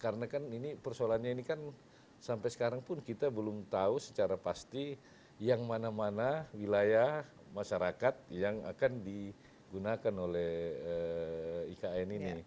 karena persoalannya ini kan sampai sekarang pun kita belum tahu secara pasti yang mana mana wilayah masyarakat yang akan digunakan oleh ikn ini